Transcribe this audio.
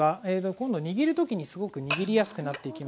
今度握る時にすごく握りやすくなっていきます。